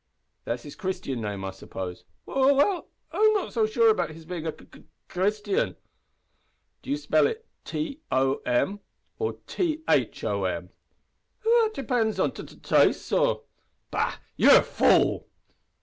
"That's his Christian name, I suppose?" "W w well, I'm not sure about his bein' a c c c Christian." "Do you spell it T o m or T h o m?" "Th that depinds on t t taste, sor." "Bah! you're a fool!"